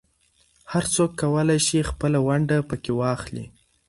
هر څوک کولای شي خپله ونډه پکې واخلي.